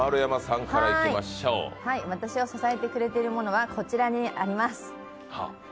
私を支えてくれているものはこちらにあります。